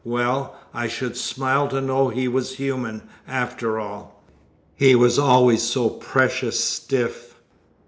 Well, I should smile to know he was human, after all. He was always so precious stiff!"